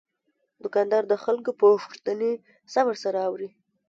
دوکاندار د خلکو پوښتنې صبر سره اوري.